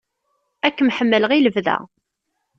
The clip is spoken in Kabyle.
Ad ken-ḥemmleɣ i lebda.